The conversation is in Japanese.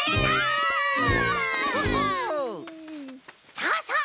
さあさあ